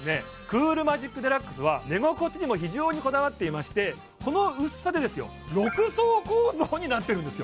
クールマジックデラックスは寝心地にも非常にこだわっていましてこの薄さでですよ６層構造になってるんですよ